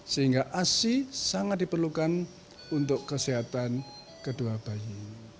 sehingga asi sangat diperlukan untuk kesehatan kedua bayi